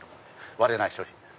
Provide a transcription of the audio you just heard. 割れない商品です。